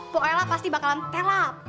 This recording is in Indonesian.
bu ella pasti bakalan telap